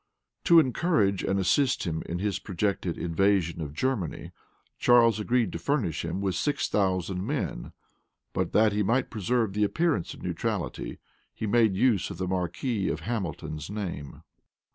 To encourage and assist him in his projected invasion of Germany, Charles agreed to furnish him with six thousand men; but, that he might preserve the appearance of neutrality, he made use of the marquis of Hamilton's name.